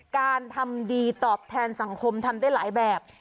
การทำดีตอบแทนสังคมทำได้หลายแบบ